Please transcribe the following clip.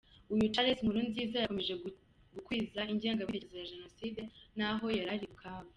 Uyu Charles Nkurunziza yakomeje gukwiza ingengabitekerezo ya Jenoside n’aho yari ari i Bukavu.